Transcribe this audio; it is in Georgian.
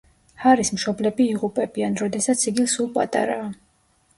ჰარის მშობლები იღუპებიან, როდესაც იგი სულ პატარაა.